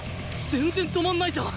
全然止まんないじゃん！